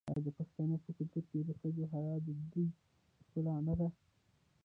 آیا د پښتنو په کلتور کې د ښځو حیا د دوی ښکلا نه ده؟